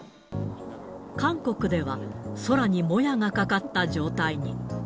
韓国では、空にもやがかかった状態に。